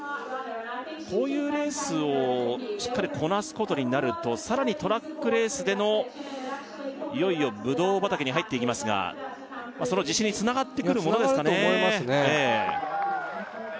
こういうレースをしっかりこなすことになるとさらにトラックレースでのいよいよぶどう畑に入っていきますがその自信につながってくるものなんですかねつながると思いますね